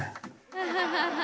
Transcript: アハハッ！